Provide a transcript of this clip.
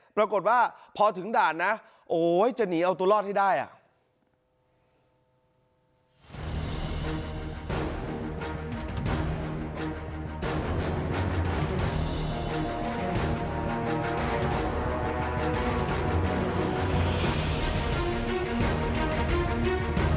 ปรากฏว่าพอถึงด่านนะโอ้ยจะหนีเอาตัวรอดให้ได้อ่ะ